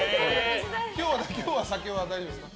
今日は酒は大丈夫ですか？